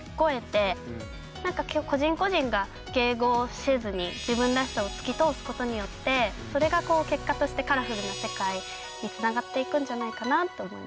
なんか個人個人が迎合せずに自分らしさを突き通すことによってそれが結果としてカラフルな世界につながっていくんじゃないかなと思いました。